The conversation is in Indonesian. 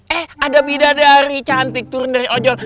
eh ada bidadari cantik turun dari ojol